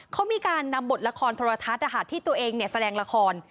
เขามีการนำบทละครโทรทัศน์ที่ตัวเองแสดงละคร